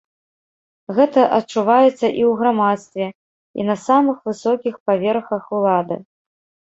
Гэта адчуваецца і ў грамадстве, і на самых высокіх паверхах улады.